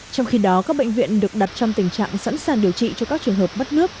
trong khi đó các bệnh viện được đặt trong tình trạng sẵn sàng điều trị cho các trường hợp mất nước